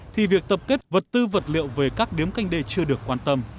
thì việc tập kết vật tư vật liệu về các điếm canh đê chưa được quan tâm